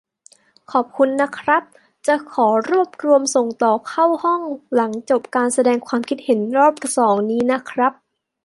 ขอบคุณนะครับ จะขอรวบรวมส่งต่อเข้าห้องหลังจบการแสดงความคิดเห็นรอบสองนี้นะครับ